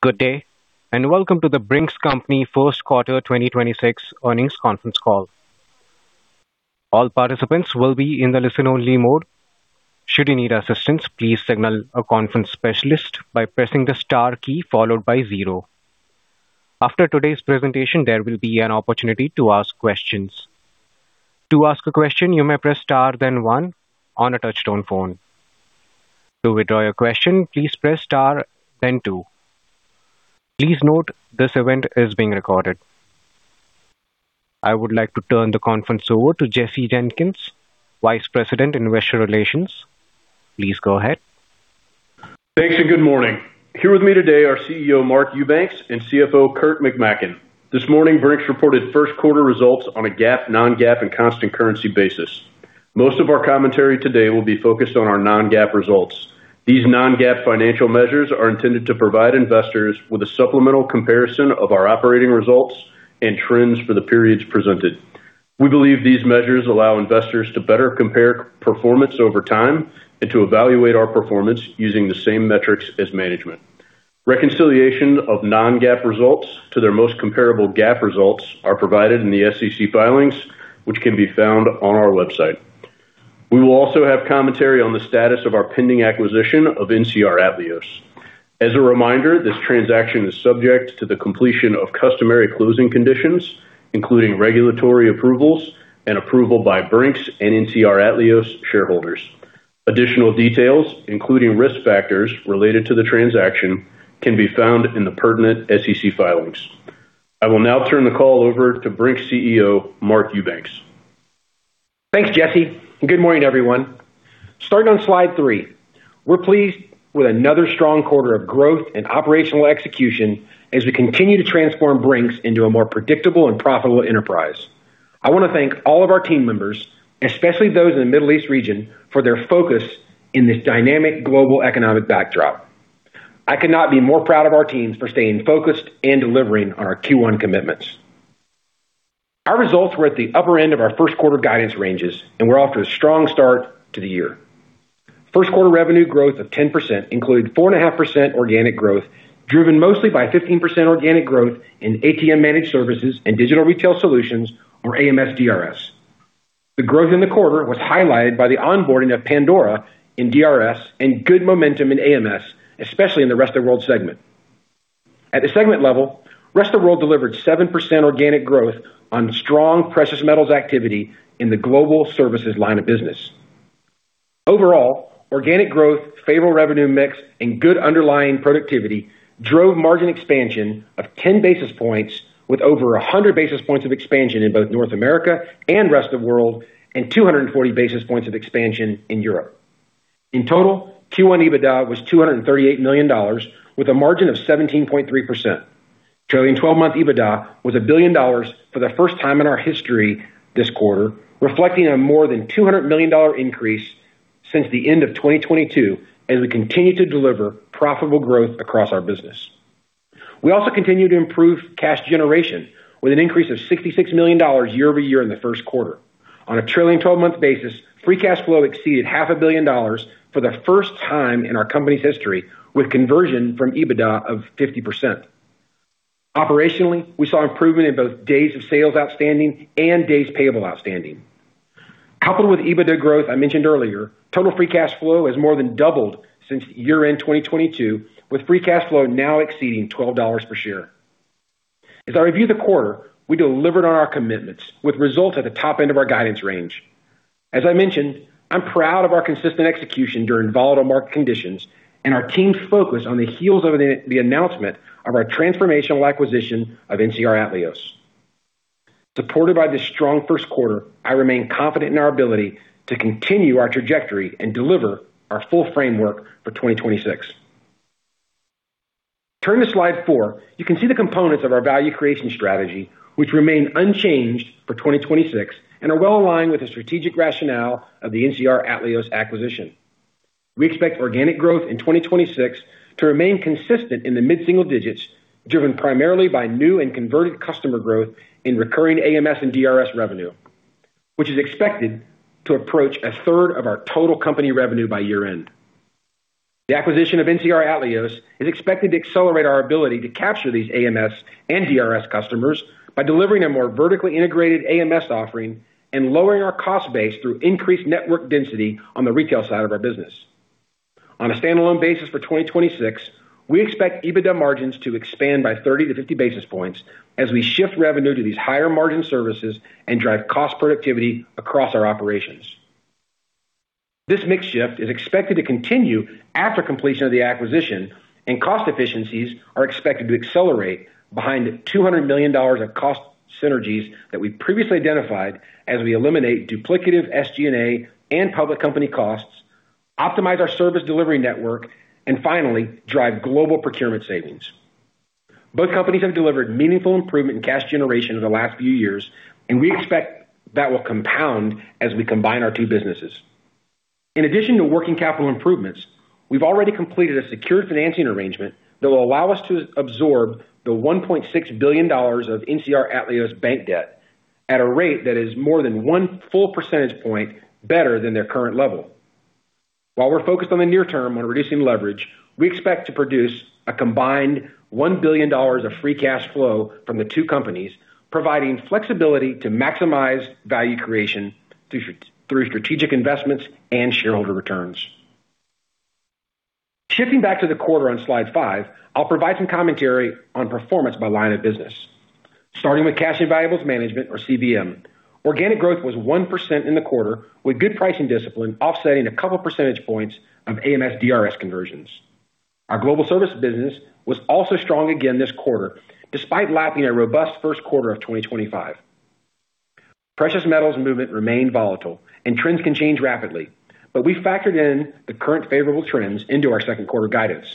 Good day. Welcome to The Brink's Company First Quarter 2026 earnings conference call. All participants will be in the listen-only mode. Should you need assistance, please signal a conference specialist by pressing the star key followed by zero. After today's presentation, there will be an opportunity to ask questions. To ask a question, you may press star then one on a touch-tone phone. To withdraw your question, please press star then two. Please note this event is being recorded. I would like to turn the conference over to Jesse Jenkins, Vice President, Investor Relations. Please go ahead. Thanks, good morning. Here with me today are CEO Mark Eubanks and CFO Kurt McMaken. This morning, Brink's reported first quarter results on a GAAP, non-GAAP and constant currency basis. Most of our commentary today will be focused on our non-GAAP results. These non-GAAP financial measures are intended to provide investors with a supplemental comparison of our operating results and trends for the periods presented. We believe these measures allow investors to better compare performance over time and to evaluate our performance using the same metrics as management. Reconciliation of non-GAAP results to their most comparable GAAP results are provided in the SEC filings, which can be found on our website. We will also have commentary on the status of our pending acquisition of NCR Atleos. As a reminder, this transaction is subject to the completion of customary closing conditions, including regulatory approvals and approval by Brink's and NCR Atleos shareholders. Additional details, including risk factors related to the transaction, can be found in the pertinent SEC filings. I will now turn the call over to Brink's CEO, Mark Eubanks. Thanks, Jesse. Good morning, everyone. Starting on slide three, we're pleased with another strong quarter of growth and operational execution as we continue to transform Brink's into a more predictable and profitable enterprise. I wanna thank all of our team members, especially those in the Middle East region, for their focus in this dynamic global economic backdrop. I could not be more proud of our teams for staying focused and delivering on our Q1 commitments. Our results were at the upper end of our first quarter guidance ranges. We're off to a strong start to the year. First quarter revenue growth of 10% included 4.5% organic growth, driven mostly by 15% organic growth in ATM Managed Services and Digital Retail Solutions or AMS DRS. The growth in the quarter was highlighted by the onboarding of Pandora in DRS and good momentum in AMS, especially in the Rest of World segment. At the segment level, Rest of World delivered 7% organic growth on strong precious metals activity in the global services line of business. Overall, organic growth, favorable revenue mix, and good underlying productivity drove margin expansion of 10 basis points with over 100 basis points of expansion in both North America and Rest of World, and 240 basis points of expansion in Europe. In total, Q1 EBITDA was $238 million with a margin of 17.3%. Trailing 12 month EBITDA was $1 billion for the first time in our history this quarter, reflecting a more than $200 million increase since the end of 2022 as we continue to deliver profitable growth across our business. We also continue to improve cash generation with an increase of $66 million year-over-year in the first quarter. On a trailing twelve-month basis, free cash flow exceeded $500 million for the first time in our company's history, with conversion from EBITDA of 50%. Operationally, we saw improvement in both days of sales outstanding and days payable outstanding. Coupled with EBITDA growth I mentioned earlier, total free cash flow has more than doubled since year-end 2022, with free cash flow now exceeding $12 per share. As I review the quarter, we delivered on our commitments with results at the top end of our guidance range. As I mentioned, I'm proud of our consistent execution during volatile market conditions and our team's focus on the heels of the announcement of our transformational acquisition of NCR Atleos. Supported by this strong first quarter, I remain confident in our ability to continue our trajectory and deliver our full framework for 2026. Turning to slide four, you can see the components of our value creation strategy, which remain unchanged for 2026 and are well aligned with the strategic rationale of the NCR Atleos acquisition. We expect organic growth in 2026 to remain consistent in the mid-single digits, driven primarily by new and converted customer growth in recurring AMS and DRS revenue, which is expected to approach 1/3 of our total company revenue by year-end. The acquisition of NCR Atleos is expected to accelerate our ability to capture these AMS and DRS customers by delivering a more vertically integrated AMS offering and lowering our cost base through increased network density on the retail side of our business. On a standalone basis for 2026, we expect EBITDA margins to expand by 30-50 basis points as we shift revenue to these higher margin services and drive cost productivity across our operations. Cost efficiencies are expected to continue after completion of the acquisition, and cost efficiencies are expected to accelerate behind the $200 million of cost synergies that we previously identified as we eliminate duplicative SG&A and public company costs, optimize our service delivery network, and finally, drive global procurement savings. Both companies have delivered meaningful improvement in cash generation over the last few years. We expect that will compound as we combine our two businesses. In addition to working capital improvements, we've already completed a secured financing arrangement that will allow us to absorb the $1.6 billion of NCR Atleos bank debt at a rate that is more than one full percentage point better than their current level. While we're focused on the near term on reducing leverage, we expect to produce a combined $1 billion of free cash flow from the two companies, providing flexibility to maximize value creation through strategic investments and shareholder returns. Shifting back to the quarter on slide five, I'll provide some commentary on performance by line of business. Starting with cash and valuables management or CVM. Organic growth was 1% in the quarter, with good pricing discipline offsetting 2 percentage points of AMS DRS conversions. Our global service business was also strong again this quarter, despite lapping a robust first quarter of 2025. Precious metals movement remained volatile and trends can change rapidly, but we factored in the current favorable trends into our second quarter guidance.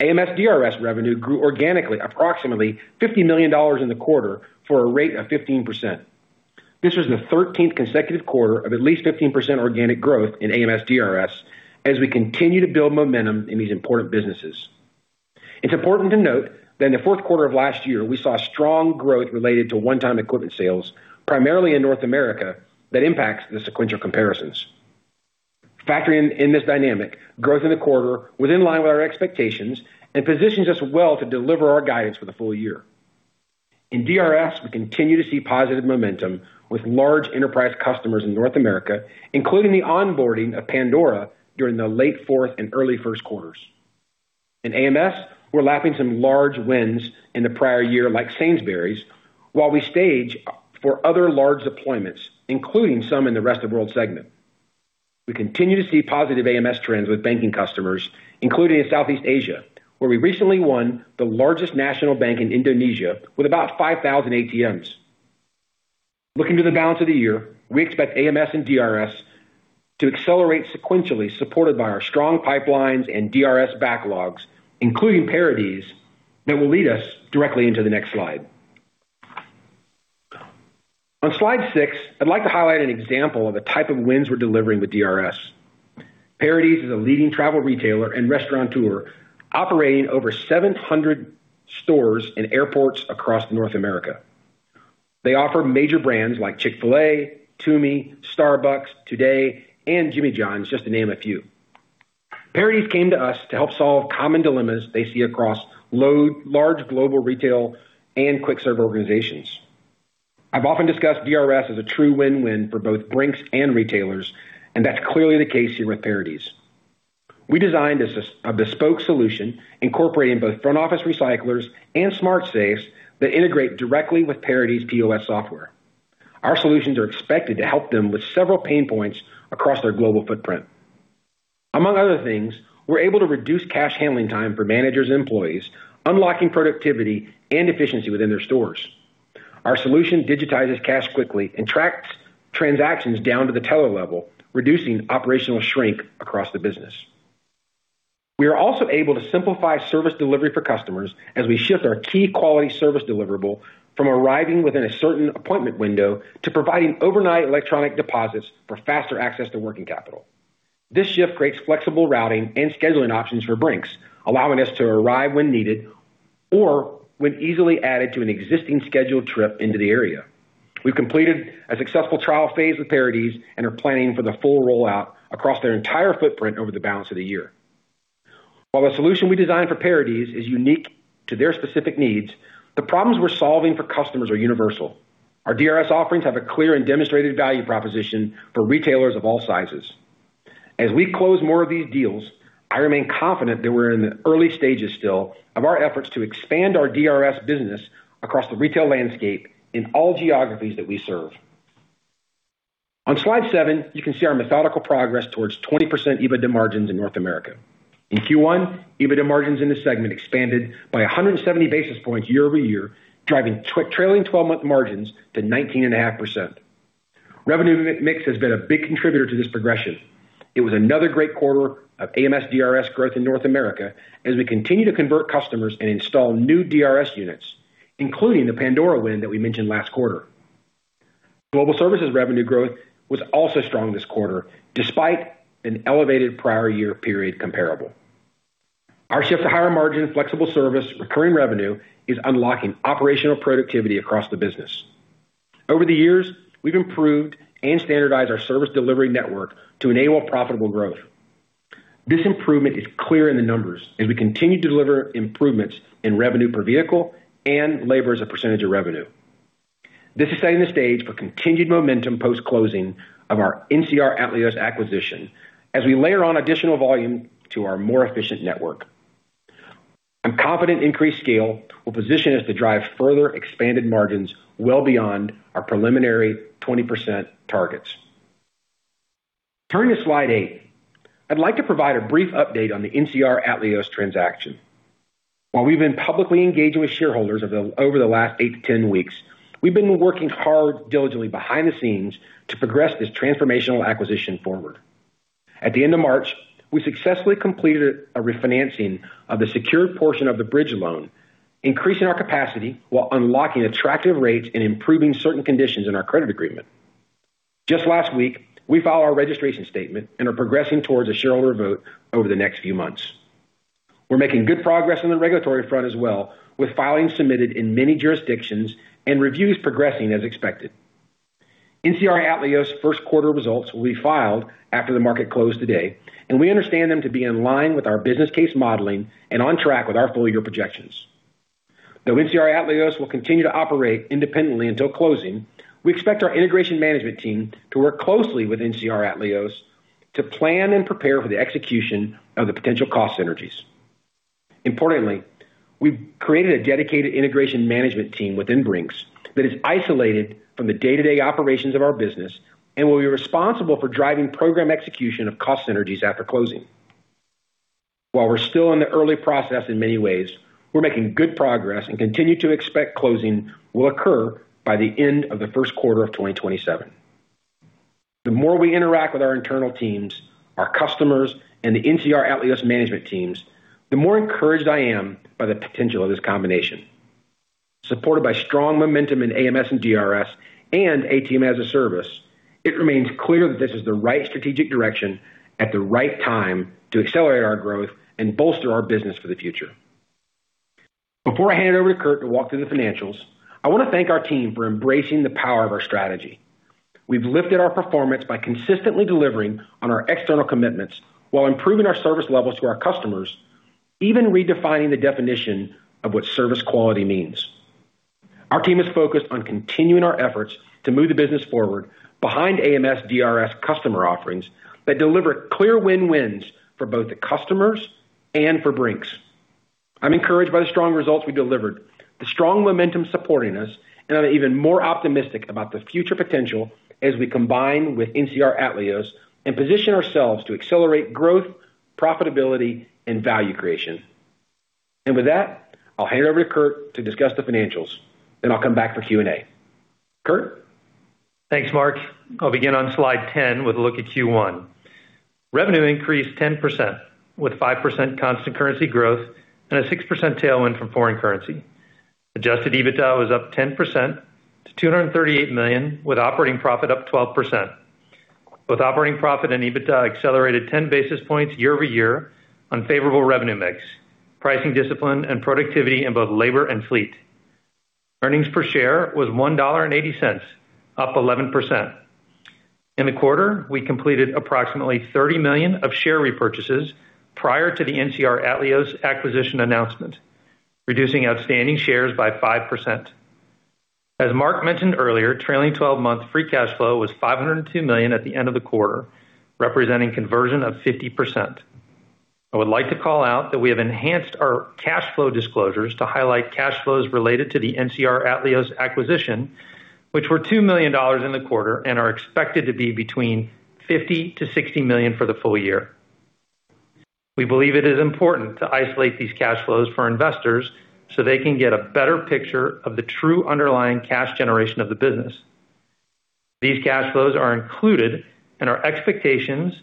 AMS DRS revenue grew organically approximately $50 million in the quarter for a rate of 15%. This was the 13th consecutive quarter of at least 15% organic growth in AMS DRS as we continue to build momentum in these important businesses. It's important to note that in the fourth quarter of last year, we saw strong growth related to one-time equipment sales, primarily in North America, that impacts the sequential comparisons. Factoring in this dynamic, growth in the quarter in line with our expectations and positions us well to deliver our guidance for the full year. In DRS, we continue to see positive momentum with large enterprise customers in North America, including the onboarding of Pandora during the late fourth and early first quarters. In AMS, we're lapping some large wins in the prior year like Sainsbury's, while we stage for other large deployments, including some in the Rest of World segment. We continue to see positive AMS trends with banking customers, including in Southeast Asia, where we recently won the largest national bank in Indonesia with about 5,000 ATMs. Looking to the balance of the year, we expect AMS and DRS to accelerate sequentially, supported by our strong pipelines and DRS backlogs, including Paradies that will lead us directly into the next slide. On slide 6, I'd like to highlight an example of the type of wins we're delivering with DRS. Paradies is a leading travel retailer and restaurateur operating over 700 stores in airports across North America. They offer major brands like Chick-fil-A, Tumi, Starbucks, Today, and Jimmy John's, just to name a few. Paradies came to us to help solve common dilemmas they see across large global retail and quick serve organizations. I've often discussed DRS as a true win-win for both Brink's and retailers, and that's clearly the case here with Paradies. We designed a bespoke solution incorporating both front office recyclers and smart safes that integrate directly with Paradies POS software. Our solutions are expected to help them with several pain points across their global footprint. Among other things, we're able to reduce cash handling time for managers and employees, unlocking productivity and efficiency within their stores. Our solution digitizes cash quickly and tracks transactions down to the teller level, reducing operational shrink across the business. We are also able to simplify service delivery for customers as we shift our key quality service deliverable from arriving within a certain appointment window to providing overnight electronic deposits for faster access to working capital. This shift creates flexible routing and scheduling options for Brink's, allowing us to arrive when needed or when easily added to an existing scheduled trip into the area. We've completed a successful trial phase with Paradies and are planning for the full rollout across their entire footprint over the balance of the year. While the solution we designed for Paradies is unique to their specific needs, the problems we're solving for customers are universal. Our DRS offerings have a clear and demonstrated value proposition for retailers of all sizes. As we close more of these deals, I remain confident that we're in the early stages still of our efforts to expand our DRS business across the retail landscape in all geographies that we serve. On slide seven, you can see our methodical progress towards 20% EBITDA margins in North America. In Q1, EBITDA margins in this segment expanded by 170 basis points year-over-year, driving trailing 12 month margins to 19.5%. Revenue mix has been a big contributor to this progression. It was another great quarter of AMS DRS growth in North America as we continue to convert customers and install new DRS units, including the Pandora win that we mentioned last quarter. Global services revenue growth was also strong this quarter, despite an elevated prior year period comparable. Our shift to higher margin, flexible service, recurring revenue is unlocking operational productivity across the business. Over the years, we've improved and standardized our service delivery network to enable profitable growth. This improvement is clear in the numbers as we continue to deliver improvements in revenue per vehicle and labor as a percentage of revenue. This is setting the stage for continued momentum post-closing of our NCR Atleos acquisition as we layer on additional volume to our more efficient network. I'm confident increased scale will position us to drive further expanded margins well beyond our preliminary 20% targets. Turning to slide 8, I'd like to provide a brief update on the NCR Atleos transaction. While we've been publicly engaging with shareholders over the last eight to 10 weeks, we've been working hard diligently behind the scenes to progress this transformational acquisition forward. At the end of March, we successfully completed a refinancing of the secured portion of the bridge loan, increasing our capacity while unlocking attractive rates and improving certain conditions in our credit agreement. Just last week, we filed our registration statement and are progressing towards a shareholder vote over the next few months. We're making good progress on the regulatory front as well, with filings submitted in many jurisdictions and reviews progressing as expected. NCR Atleos first quarter results will be filed after the market closed today. We understand them to be in line with our business case modeling and on track with our full-year projections. Though NCR Atleos will continue to operate independently until closing, we expect our integration management team to work closely with NCR Atleos to plan and prepare for the execution of the potential cost synergies. Importantly, we've created a dedicated integration management team within Brink's that is isolated from the day-to-day operations of our business and will be responsible for driving program execution of cost synergies after closing. While we're still in the early process in many ways, we're making good progress and continue to expect closing will occur by the end of the first quarter of 2027. The more we interact with our internal teams, our customers, and the NCR Atleos management teams, the more encouraged I am by the potential of this combination. Supported by strong momentum in AMS and DRS and ATM as a Service, it remains clear that this is the right strategic direction at the right time to accelerate our growth and bolster our business for the future. Before I hand over to Kurt to walk through the financials, I want to thank our team for embracing the power of our strategy. We've lifted our performance by consistently delivering on our external commitments while improving our service levels to our customers, even redefining the definition of what service quality means. Our team is focused on continuing our efforts to move the business forward behind AMS, DRS customer offerings that deliver clear win-wins for both the customers and for Brink's. I'm encouraged by the strong results we delivered, the strong momentum supporting us, and I'm even more optimistic about the future potential as we combine with NCR Atleos and position ourselves to accelerate growth, profitability, and value creation. With that, I'll hand it over to Kurt to discuss the financials. I'll come back for Q and A. Kurt? Thanks, Mark. I'll begin on slide 10 with a look at Q1. Revenue increased 10% with 5% constant currency growth and a 6% tailwind from foreign currency. Adjusted EBITDA was up 10% to $238 million, with operating profit up 12%. Both operating profit and EBITDA accelerated 10 basis points year-over-year on favorable revenue mix, pricing discipline, and productivity in both labor and fleet. Earnings per share was $1.80, up 11%. In the quarter, we completed approximately $30 million of share repurchases prior to the NCR Atleos acquisition announcement, reducing outstanding shares by 5%. As Mark mentioned earlier, trailing 12 month free cash flow was $502 million at the end of the quarter, representing conversion of 50%. I would like to call out that we have enhanced our cash flow disclosures to highlight cash flows related to the NCR Atleos acquisition, which were $2 million in the quarter and are expected to be between $50 million-$60 million for the full year. We believe it is important to isolate these cash flows for investors so they can get a better picture of the true underlying cash generation of the business. These cash flows are included in our expectations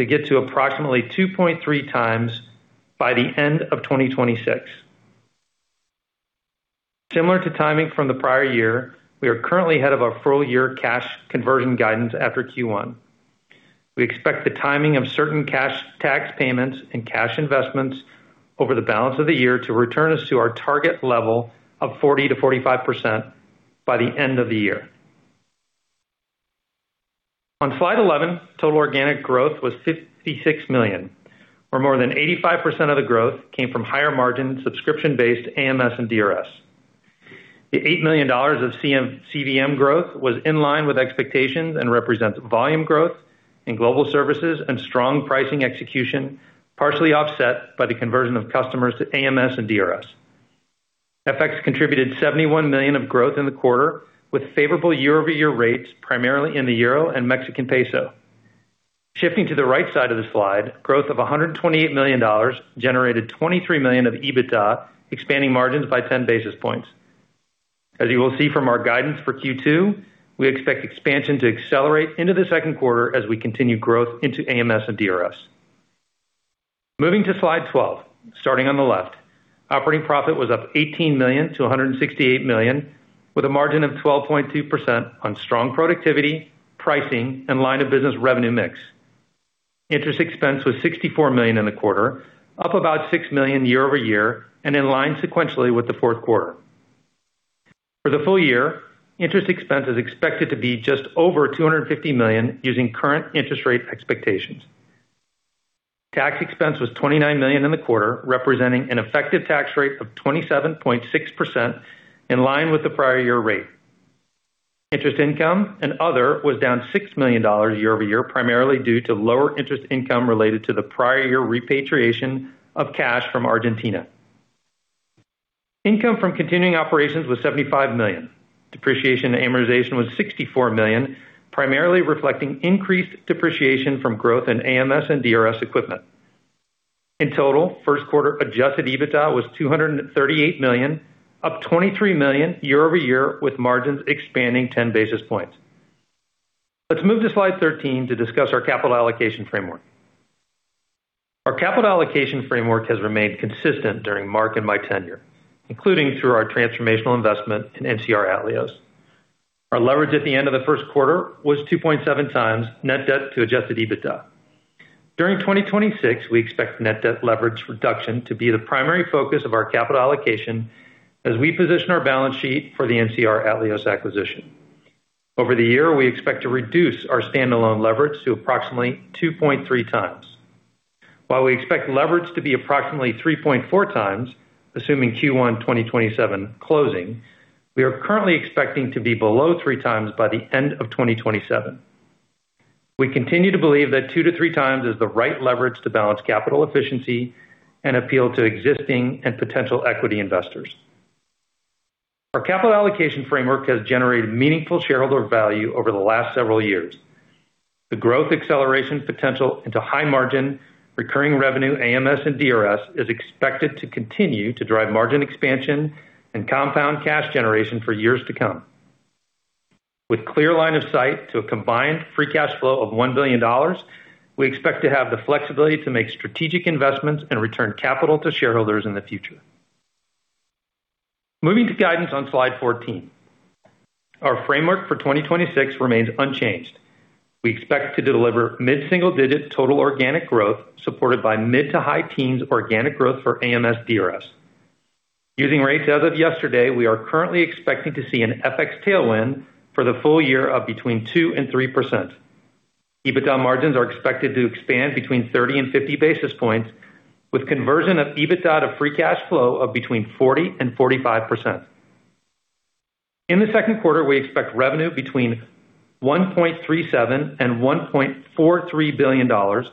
to get to approximately 2.3x by the end of 2026. Similar to timing from the prior year, we are currently ahead of our full-year cash conversion guidance after Q1. We expect the timing of certain cash tax payments and cash investments over the balance of the year to return us to our target level of 40%-45% by the end of the year. On slide 11, total organic growth was $56 million, where more than 85% of the growth came from higher margin subscription-based AMS and DRS. The $8 million of CVM growth was in line with expectations and represents volume growth in Global Services and strong pricing execution, partially offset by the conversion of customers to AMS and DRS. FX contributed $71 million of growth in the quarter, with favorable year-over-year rates primarily in the EUR and MXN. Shifting to the right side of the slide, growth of $128 million generated $23 million of EBITDA, expanding margins by 10 basis points. As you will see from our guidance for Q2, we expect expansion to accelerate into the second quarter as we continue growth into AMS and DRS. Moving to slide 12, starting on the left. Operating profit was up $18 million-$168 million, with a margin of 12.2% on strong productivity, pricing, and line of business revenue mix. Interest expense was $64 million in the quarter, up about $6 million year-over-year and in line sequentially with the fourth quarter. For the full year, interest expense is expected to be just over $250 million using current interest rate expectations. Tax expense was $29 million in the quarter, representing an effective tax rate of 27.6% in line with the prior year rate. Interest income and other was down $6 million year-over-year, primarily due to lower interest income related to the prior year repatriation of cash from Argentina. Income from continuing operations was $75 million. Depreciation and amortization was $64 million, primarily reflecting increased depreciation from growth in AMS and DRS equipment. In total, first quarter adjusted EBITDA was $238 million, up $23 million year-over-year, with margins expanding 10 basis points. Let's move to slide 13 to discuss our capital allocation framework. Our capital allocation framework has remained consistent during Mark and my tenure, including through our transformational investment in NCR Atleos. Our leverage at the end of the first quarter was 2.7x net debt to adjusted EBITDA. During 2026, we expect net debt leverage reduction to be the primary focus of our capital allocation as we position our balance sheet for the NCR Atleos acquisition. Over the year, we expect to reduce our standalone leverage to approximately 2.3x. While we expect leverage to be approximately 3.4x, assuming Q1 2027 closing, we are currently expecting to be below 3x by the end of 2027. We continue to believe that 2x-3x is the right leverage to balance capital efficiency and appeal to existing and potential equity investors. Our capital allocation framework has generated meaningful shareholder value over the last several years. The growth acceleration potential into high margin recurring revenue AMS and DRS is expected to continue to drive margin expansion and compound cash generation for years to come. With clear line of sight to a combined free cash flow of $1 billion, we expect to have the flexibility to make strategic investments and return capital to shareholders in the future. Moving to guidance on slide 14. Our framework for 2026 remains unchanged. We expect to deliver mid-single digit total organic growth supported by mid to high teens organic growth for AMS DRS. Using rates as of yesterday, we are currently expecting to see an FX tailwind for the full year of between 2%-3%. EBITDA margins are expected to expand between 30-50 basis points, with conversion of EBITDA to free cash flow of between 40%-45%. In the second quarter, we expect revenue between $1.37 billion and $1.43 billion,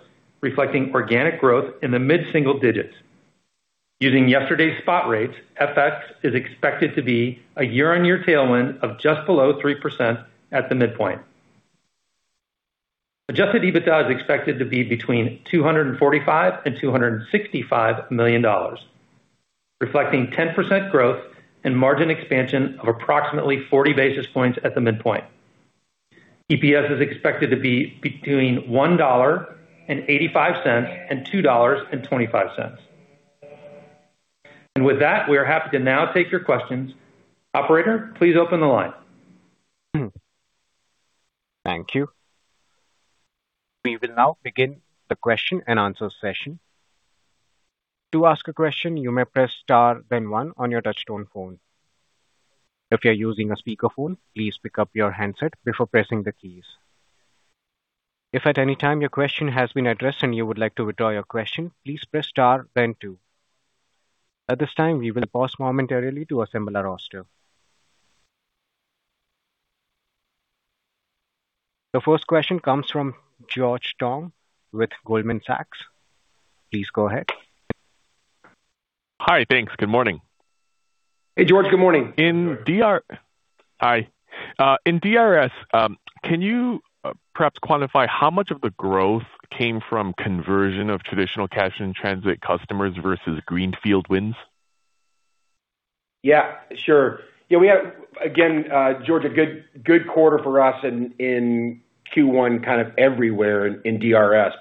reflecting organic growth in the mid-single digits. Using yesterday's spot rates, FX is expected to be a year-on-year tailwind of just below 3% at the midpoint. Adjusted EBITDA is expected to be between $245 million and $265 million, reflecting 10% growth and margin expansion of approximately 40 basis points at the midpoint. EPS is expected to be between $1.85 and $2.25. With that, we are happy to now take your questions. Operator, please open the line. Thank you. We will now begin the question and answer session. To ask a question, you may press star then one on your touchtone phone. If you are using a speakerphone, please pick up your handset before pressing the keys. If at any time your question has been addressed and you would like to withdraw your question, please press star then two. At this time, we will pause momentarily to assemble our roster. The first question comes from George Tong with Goldman Sachs. Please go ahead. Hi. Thanks. Good morning. Hey, George. Good morning. In DRS, can you perhaps quantify how much of the growth came from conversion of traditional cash in transit customers versus greenfield wins? Yeah, sure. Yeah, we have, again, George Tong, a good quarter for us in Q1 kind of everywhere in DRS,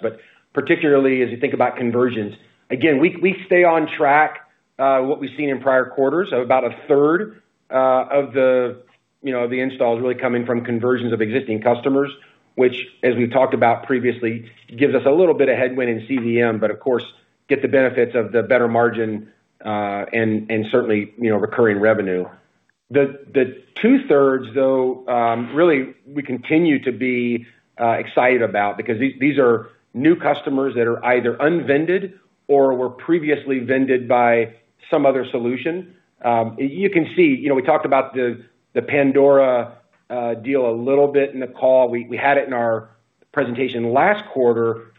particularly as you think about conversions. We stay on track, what we've seen in prior quarters of about 1/3 of the, you know, the installs really coming from conversions of existing customers, which as we've talked about previously, gives us a little bit of headwind in CVM, of course, get the benefits of the better margin and certainly, you know, recurring revenue. The 2/3 though, really we continue to be excited about because these are new customers that are either unvended or were previously vended by some other solution. You can see, you know, we talked about the Pandora deal a little bit in the call. We had it in our presentation last quarter,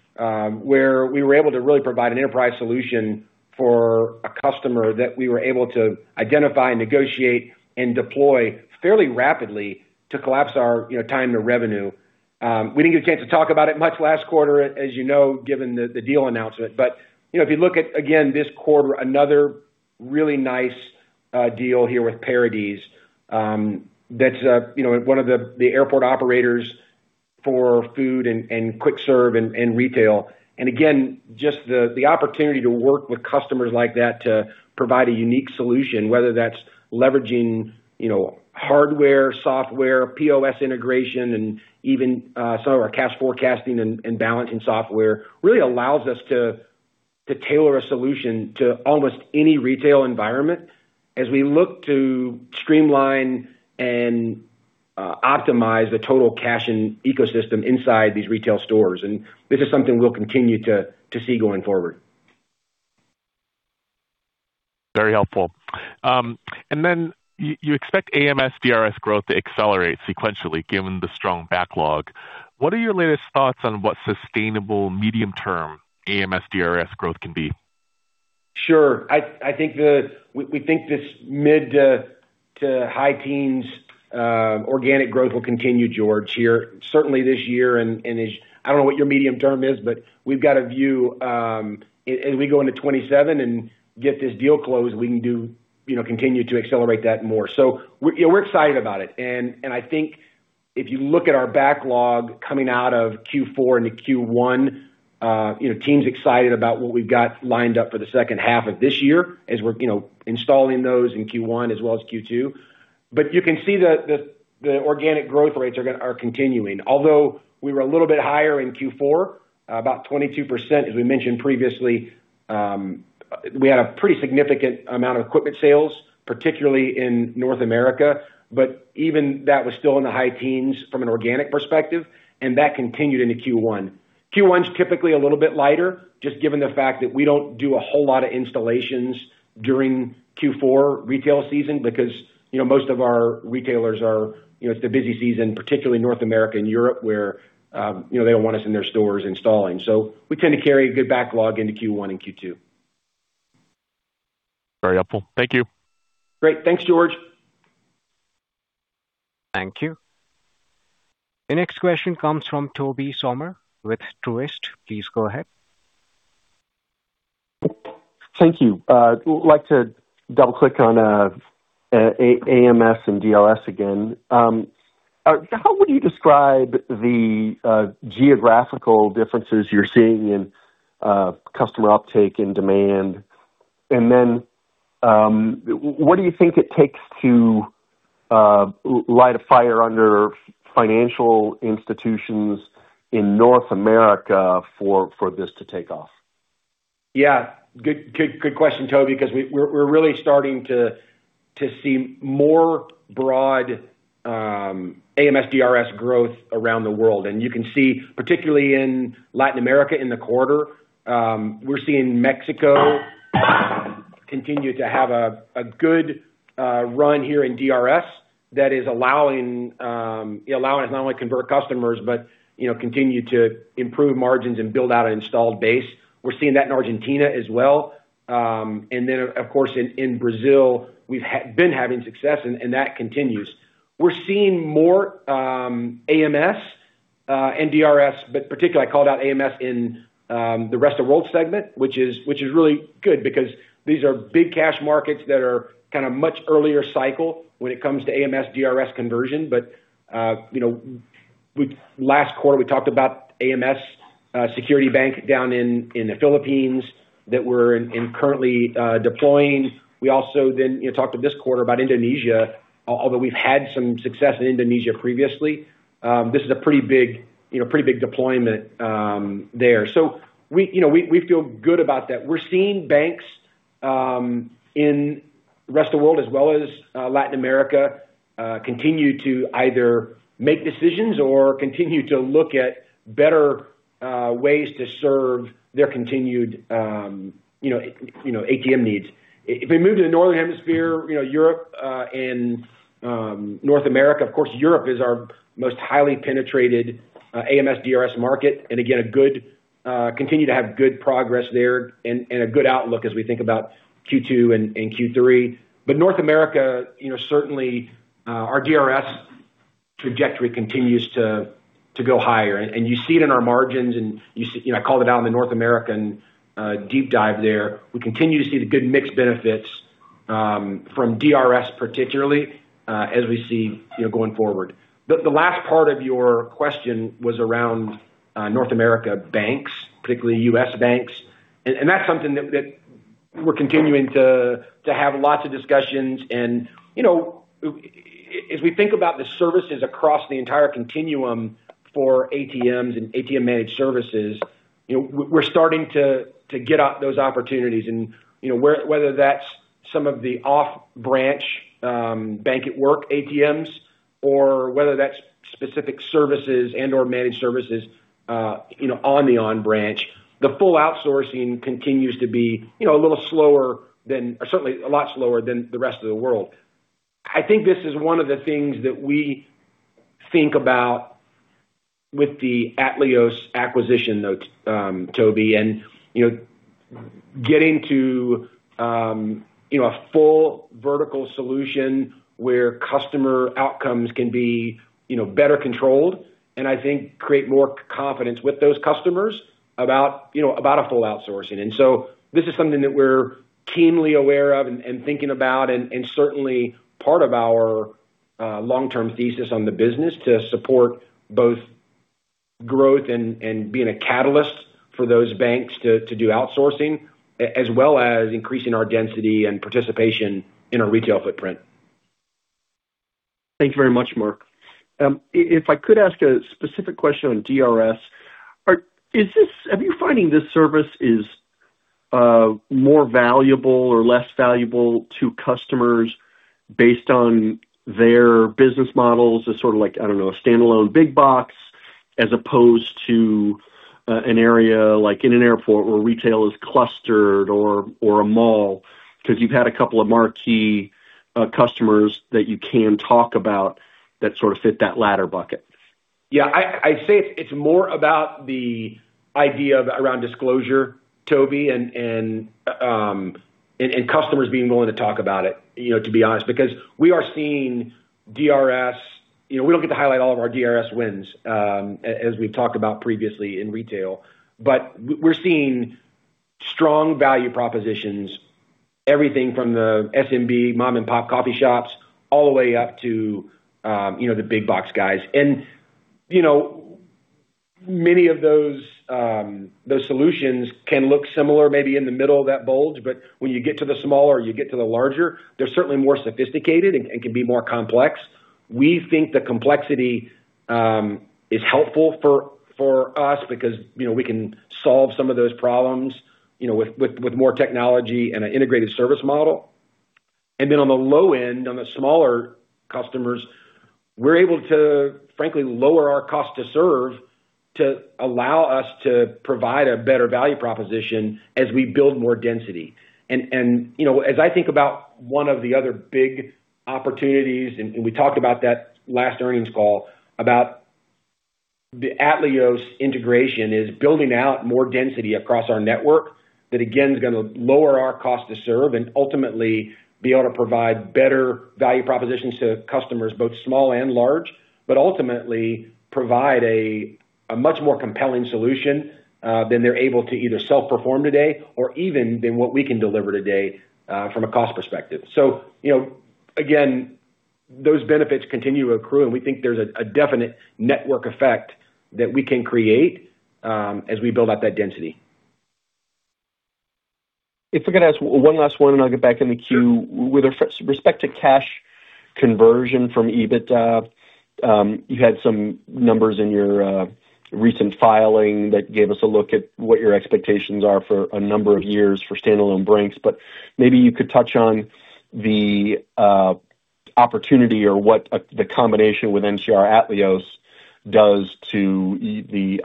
where we were able to really provide an enterprise solution for a customer that we were able to identify and negotiate and deploy fairly rapidly to collapse our, you know, time to revenue. We didn't get a chance to talk about it much last quarter, as you know, given the deal announcement. You know, if you look at, again, this quarter, another really nice deal here with Paradies, that's, you know, one of the airport operators for food and quick serve and retail. Again, just the opportunity to work with customers like that to provide a unique solution, whether that's leveraging, you know, hardware, software, POS integration, and even some of our cash forecasting and balancing software, really allows us to tailor a solution to almost any retail environment as we look to streamline and optimize the total cash ecosystem inside these retail stores. This is something we'll continue to see going forward. Very helpful. And then you expect AMS DRS growth to accelerate sequentially given the strong backlog. What are your latest thoughts on what sustainable medium-term AMS DRS growth can be? Sure. I think we think this mid to high teens organic growth will continue, George, here. Certainly this year and as I don't know what your medium term is, but we've got a view as we go into 2027 and get this deal closed, we can do, you know, continue to accelerate that more. We're excited about it. I think. If you look at our backlog coming out of Q4 into Q1, you know, team's excited about what we've got lined up for the second half of this year as we're, you know, installing those in Q1 as well as Q2. You can see the organic growth rates are continuing. Although we were a little bit higher in Q4, about 22% as we mentioned previously, we had a pretty significant amount of equipment sales, particularly in North America. Even that was still in the high teens from an organic perspective, and that continued into Q1. Q1 is typically a little bit lighter, just given the fact that we don't do a whole lot of installations during Q4 retail season because, you know, most of our retailers are, you know, it's the busy season, particularly North America and Europe, where, you know, they don't want us in their stores installing. We tend to carry a good backlog into Q1 and Q2. Very helpful. Thank you. Great. Thanks, George. Thank you. The next question comes from Tobey Sommer with Truist. Please go ahead. Thank you. like to double-click on AMS and DRS again. How would you describe the geographical differences you're seeing in customer uptake and demand? Then what do you think it takes to light a fire under financial institutions in North America for this to take off? Yeah. Good, good question, Tobey, because we're really starting to see more broad AMS DRS growth around the world. You can see particularly in Latin America in the quarter, we're seeing Mexico continue to have a good run here in DRS that is allowing us not only convert customers, but, you know, continue to improve margins and build out an installed base. We're seeing that in Argentina as well. Of course, in Brazil, we've been having success and that continues. We're seeing more AMS and DRS, particularly I called out AMS in the Rest of World segment, which is really good because these are big cash markets that are kind a much earlier cycle when it comes to AMS DRS conversion. Last quarter, you know, we talked about AMS, Security Bank down in the Philippines that we're currently deploying. We also, you know, talked to this quarter about Indonesia. Although we've had some success in Indonesia previously, this is a pretty big deployment there. We feel good about that. We're seeing banks in Rest of World as well as Latin America continue to either make decisions or continue to look at better ways to serve their continued ATM needs. If we move to the Northern Hemisphere, you know, Europe, and North America, of course, Europe is our most highly penetrated AMS, DRS market, and again, a good, continue to have good progress there and a good outlook as we think about Q2 and Q3. North America, you know, certainly, our DRS trajectory continues to go higher. You see it in our margins and you see, you know, I called it out in the North American deep dive there. We continue to see the good mix benefits from DRS particularly as we see, you know, going forward. The last part of your question was around North America banks, particularly U.S. banks. That's something that we're continuing to have lots of discussions. You know, as we think about the services across the entire continuum for ATMs and ATM Managed Services, you know, we're starting to get out those opportunities. You know, whether that's some of the off branch, bank at work ATMs or whether that's specific services and/or managed services, you know, on the on branch. The full outsourcing continues to be, you know, a little slower than, or certainly a lot slower than the Rest of World. I think this is one of the things that we think about with the Atleos acquisition though, Tobey, you know, getting to, you know, a full vertical solution where customer outcomes can be, you know, better controlled, and I think create more confidence with those customers about, you know, about a full outsourcing. This is something that we're keenly aware of and thinking about and certainly part of our long-term thesis on the business to support both growth and being a catalyst for those banks to do outsourcing, as well as increasing our density and participation in our retail footprint. Thank you very much, Mark. If I could ask a specific question on DRS. Are you finding this service is more valuable or less valuable to customers based on their business models as sort of like, I don't know, a standalone big box as opposed to an area like in an airport where retail is clustered or a mall? Cause you've had a couple of marquee customers that you can talk about that sort of fit that latter bucket. I'd say it's more about the idea around disclosure, Tobey, and customers being willing to talk about it, you know, to be honest. We are seeing DRS. You know, we don't get to highlight all of our DRS wins, as we've talked about previously in retail, but we're seeing strong value propositions, everything from the SMB mom-and-pop coffee shops all the way up to, you know, the big box guys. You know, many of those solutions can look similar maybe in the middle of that bulge, but when you get to the smaller, you get to the larger, they're certainly more sophisticated and can be more complex. We think the complexity, is helpful for us because, you know, we can solve some of those problems, you know, with more technology and an integrated service model. On the low end, on the smaller customers, we're able to frankly lower our cost to serve to allow us to provide a better value proposition as we build more density. You know, as I think about one of the other big opportunities, and we talked about that last earnings call, about the Atleos integration is building out more density across our network that again, is gonna lower our cost to serve and ultimately be able to provide better value propositions to customers, both small and large, but ultimately provide a much more compelling solution than they're able to either self-perform today or even than what we can deliver today from a cost perspective. You know, again, those benefits continue to accrue, and we think there's a definite network effect that we can create as we build out that density. If we could ask one last one, and I'll get back in the queue. Sure. With respect to cash conversion from EBITDA, you had some numbers in your recent filing that gave us a look at what your expectations are for a number of years for standalone Brink's. Maybe you could touch on the opportunity or what the combination with NCR Atleos does to the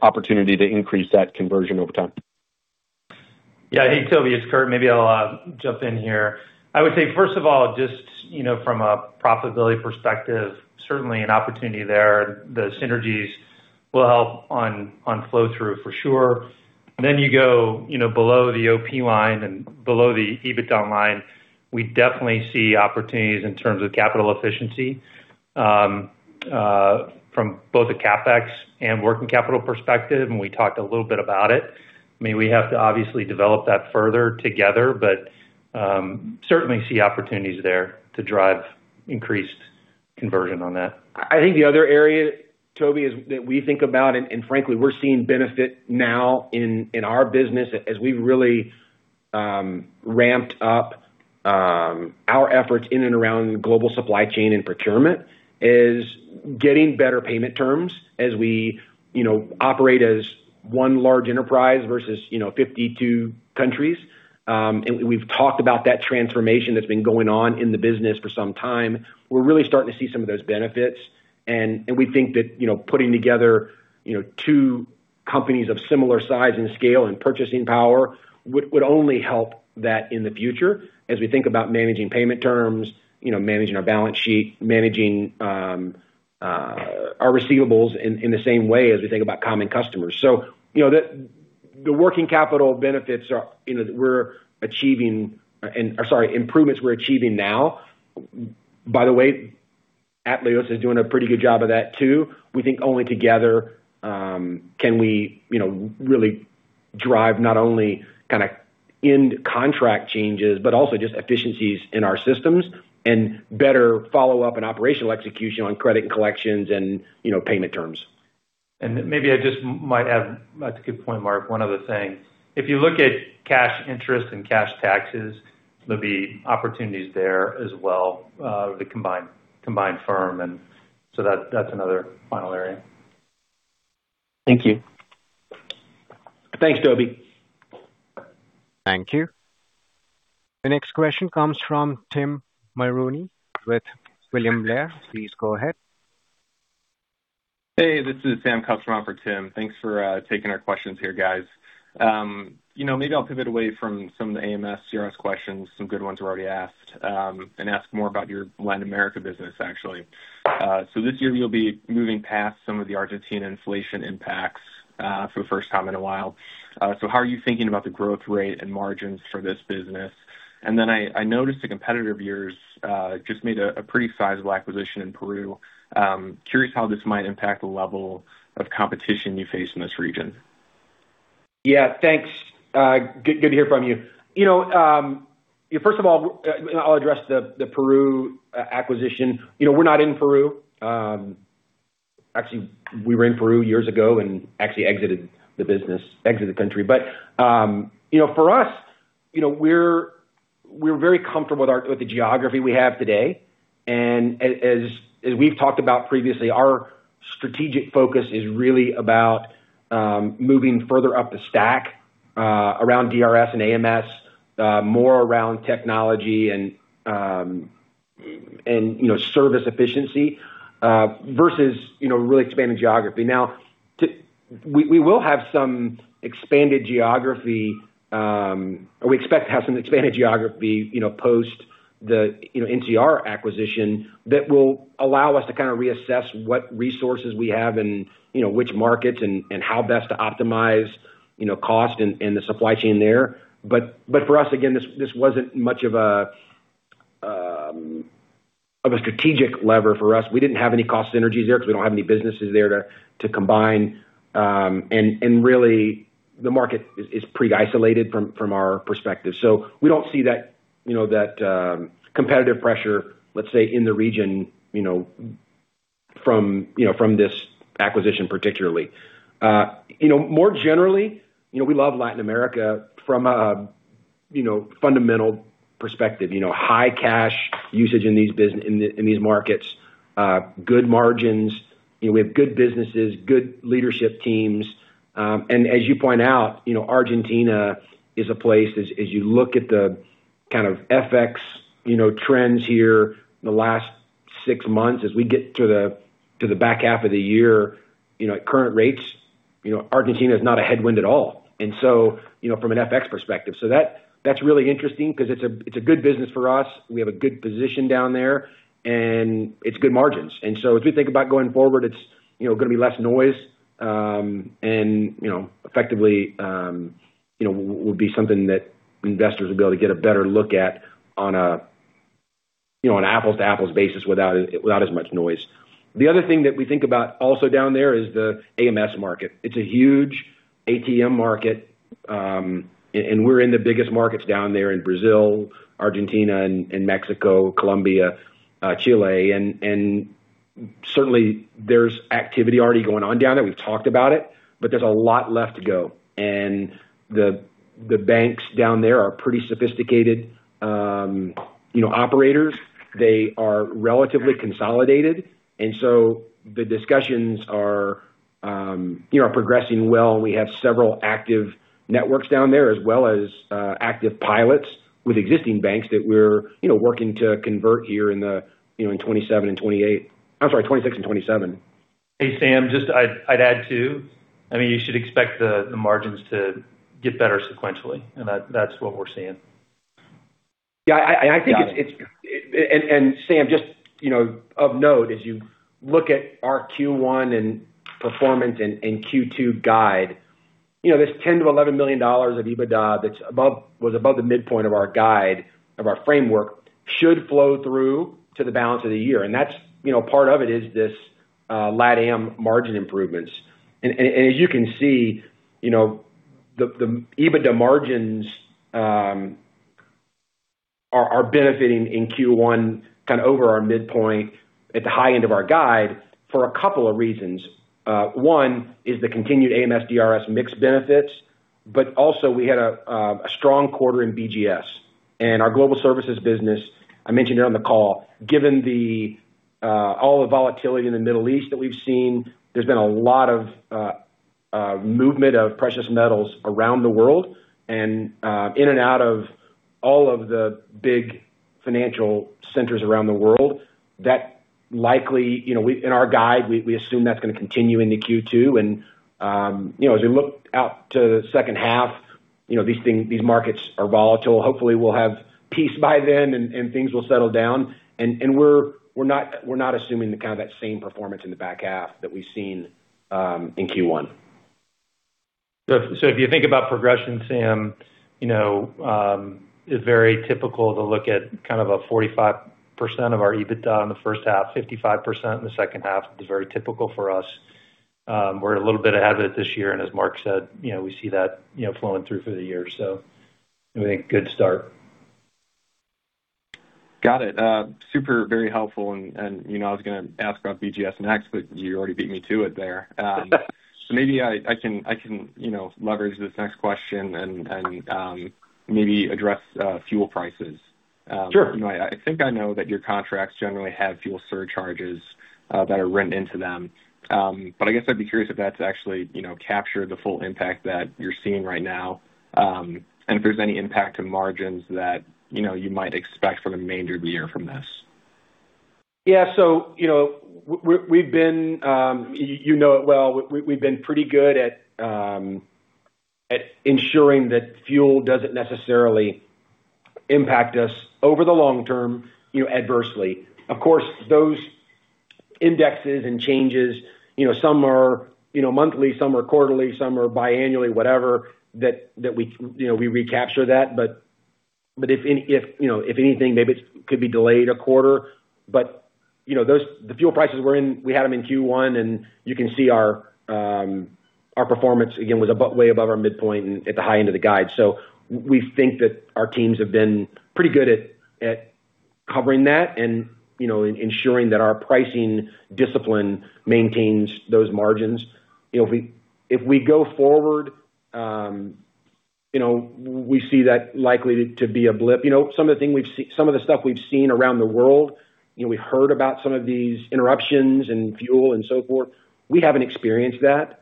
opportunity to increase that conversion over time. Yeah. Hey, Tobey, it's Kurt. Maybe I'll jump in here. I would say, first of all, just, you know, from a profitability perspective, certainly an opportunity there. The synergies will help on flow through for sure. You go, you know, below the OP line and below the EBITDA line, we definitely see opportunities in terms of capital efficiency from both a CapEx and working capital perspective, and we talked a little bit about it. I mean, we have to obviously develop that further together, certainly see opportunities there to drive increased conversion on that. I think the other area, Tobey, that we think about and, frankly, we're seeing benefit now in our business as we've really ramped up our efforts in and around global supply chain and procurement, is getting better payment terms as we, you know, operate as one large enterprise versus, you know, 52 countries. We've talked about that transformation that's been going on in the business for some time. We're really starting to see some of those benefits, and we think that, you know, putting together, you know, two companies of similar size and scale and purchasing power would only help that in the future as we think about managing payment terms, you know, managing our balance sheet, managing our receivables in the same way as we think about common customers. You know, the working capital benefits are, you know, we're achieving improvements we're achieving now. By the way, Atleos is doing a pretty good job of that, too. We think only together can we, you know, really drive not only kind a end contract changes, but also just efficiencies in our systems and better follow up and operational execution on credit and collections and, you know, payment terms. Maybe I just might add, that's a good point, Mark. One other thing. If you look at cash interest and cash taxes, there will be opportunities there as well, with the combined firm. That's another final area. Thank you. Thanks, Tobey. Thank you. The next question comes from Tim Mulrooney with William Blair. Please go ahead. Hey, this is Sam covering for Tim. Thanks for taking our questions here, guys. You know, maybe I'll pivot away from some of the AMS, DRS questions, some good ones were already asked, and ask more about your Latin America business, actually. This year you'll be moving past some of the Argentine inflation impacts for the first time in a while. How are you thinking about the growth rate and margins for this business? I noticed a competitor of yours just made a pretty sizable acquisition in Peru. Curious how this might impact the level of competition you face in this region. Yeah, thanks. Good to hear from you. You know, yeah, first of all, you know, I'll address the Peru acquisition. You know, we're not in Peru. Actually, we were in Peru years ago and actually exited the business, exited the country. You know, for us, you know, we're very comfortable with our with the geography we have today. As, as we've talked about previously, our strategic focus is really about moving further up the stack, around DRS and AMS, more around technology and, you know, service efficiency, versus, you know, really expanding geography. Now, we will have some expanded geography, or we expect to have some expanded geography, you know, post the, you know, NCR acquisition that will allow us to kind a reassess what resources we have and, you know, which markets and how best to optimize, you know, cost and the supply chain there. For us, again, this wasn't much of a strategic lever for us. We didn't have any cost synergies there because we don't have any businesses there to combine. Really the market is pretty isolated from our perspective. We don't see that, you know, that competitive pressure, let's say, in the region, you know, from, you know, this acquisition particularly. You know, more generally, you know, we love Latin America from a, you know, fundamental perspective. You know, high cash usage in these markets. Good margins. You know, we have good businesses, good leadership teams. As you point out, you know, Argentina is a place as you look at the kind of FX, you know, trends here in the last six months as we get to the back half of the year, you know, at current rates, you know, Argentina is not a headwind at all. You know, from an FX perspective. That, that's really interesting because it's a good business for us. We have a good position down there, and it's good margins. As we think about going forward, it's, you know, gonna be less noise. You know, effectively, you know, would be something that investors will be able to get a better look at on a, you know, on apples to apples basis without as much noise. The other thing that we think about also down there is the AMS market. It's a huge ATM market, and we're in the biggest markets down there in Brazil, Argentina, and Mexico, Colombia, Chile. Certainly there's activity already going on down there. We've talked about it, but there's a lot left to go. The banks down there are pretty sophisticated, you know, operators. They are relatively consolidated, and so the discussions are, you know, are progressing well. We have several active networks down there as well as active pilots with existing banks that we're, you know, working to convert here in the, you know, in 2027 and 2028. I'm sorry, 2026 and 2027. Hey, Sam, just I'd add too. I mean, you should expect the margins to get better sequentially. That's what we're seeing. Yeah. I think it's. Got it. Sam, you know, of note, as you look at our Q1 performance and Q2 guide, you know, this $10 million-$11 million of EBITDA was above the midpoint of our guide, of our framework should flow through to the balance of the year. That's, you know, part of it is this LATAM margin improvements. As you can see, you know, the EBITDA margins are benefiting in Q1 kind of over our midpoint at the high end of our guide for a couple of reasons. One is the continued AMS, DRS mixed benefits, but also we had a strong quarter in BGS. Our Global Services business, I mentioned earlier on the call, given all the volatility in the Middle East that we've seen, there's been a lot of movement of precious metals around the world and in and out of all of the big financial centers around the world. You know, in our guide, we assume that's going to continue into Q2. You know, as we look out to the second half, you know, these markets are volatile. Hopefully, we'll have peace by then and things will settle down. We're not assuming the kind of that same performance in the back half that we've seen in Q1. If you think about progression, Sam, you know, it's very typical to look at kind of a 45% of our EBITDA in the first half, 55% in the second half is very typical for us. We're a little bit ahead of it this year, and as Mark said, you know, we see that, you know, flowing through for the year. I think good start. Got it. Super, very helpful. You know, I was gonna ask about BGS next, but you already beat me to it there. Maybe I can, you know, leverage this next question and maybe address fuel prices. Sure. You know, I think I know that your contracts generally have fuel surcharges that are written into them. I guess I'd be curious if that's actually, you know, captured the full impact that you're seeing right now, and if there's any impact to margins that, you know, you might expect for the remainder of the year from this. You know, we've been, you know it well, we've been pretty good at ensuring that fuel doesn't necessarily impact us over the long term, you know, adversely. Of course, those indexes and changes, you know, some are, you know, monthly, some are quarterly, some are biannually, whatever that we, you know, we recapture that. If anything, maybe it could be delayed a quarter. You know, we had them in Q1, and you can see our performance again was way above our midpoint and at the high end of the guide. We think that our teams have been pretty good at covering that and, you know, ensuring that our pricing discipline maintains those margins. You know, if we go forward, you know, we see that likely to be a blip. You know, some of the stuff we've seen around the world, you know, we heard about some of these interruptions in fuel and so forth. We haven't experienced that.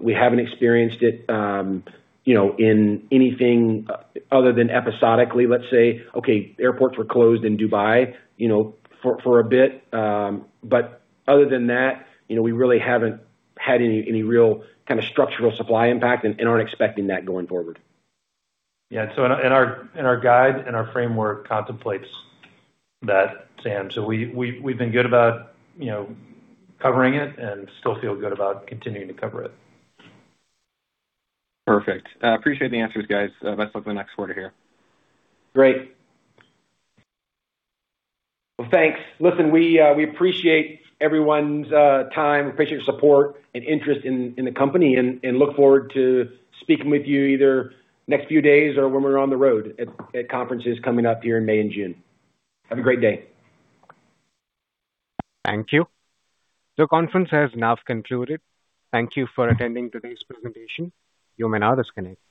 We haven't experienced it, you know, in anything other than episodically, let's say. Okay, airports were closed in Dubai, you know, for a bit. Other than that, you know, we really haven't had any real kind of structural supply impact and aren't expecting that going forward. Yeah. In our guide, in our framework contemplates that, Sam. We've been good about, you know, covering it and still feel good about continuing to cover it. Perfect. I appreciate the answers, guys. Let's look to the next quarter here. Great. Well, thanks. Listen, we appreciate everyone's time. We appreciate your support and interest in the company and look forward to speaking with you either next few days or when we're on the road at conferences coming up here in May and June. Have a great day. Thank you. The conference has now concluded. Thank you for attending today's presentation. You may now disconnect.